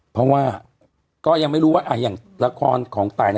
เพราะว่าก็ยังไม่รู้ว่าอย่างละครของตาย